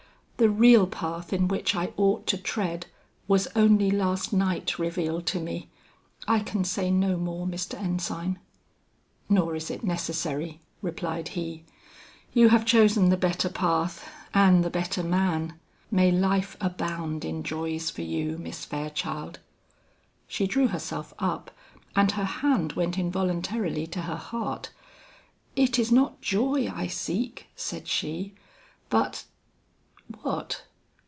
The real path in which I ought to tread, was only last night revealed to me. I can say no more, Mr. Ensign." "Nor is it necessary," replied he. "You have chosen the better path, and the better man. May life abound in joys for you, Miss Fairchild." She drew herself up and her hand went involuntarily to her heart. "It is not joy I seek," said she, "but " "What?"